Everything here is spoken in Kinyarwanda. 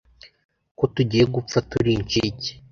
ko tugiye gupfa turi inshike